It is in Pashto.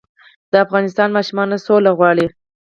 د افغانستان ماشومان سوله غواړي